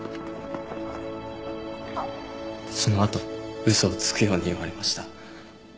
その後嘘をつくように言われました。